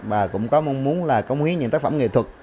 và cũng có mong muốn là công hiến những tác phẩm nghệ thuật